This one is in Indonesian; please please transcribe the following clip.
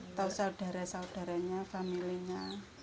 atau saudara saudaranya familenya